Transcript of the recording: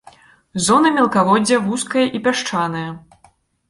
Зона мелкаводдзя вузкая і пясчаная.